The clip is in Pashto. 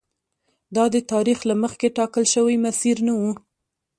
دا د تاریخ له مخکې ټاکل شوی مسیر نه و.